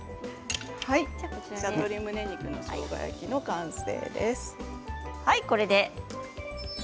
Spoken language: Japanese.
鶏むね肉のしょうが焼きの完成です。